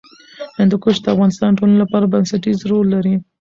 هندوکش د افغانستان د ټولنې لپاره بنسټيز رول لري.